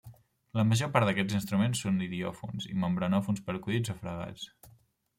La major part d'aquests instruments són idiòfons i membranòfons percudits o fregats.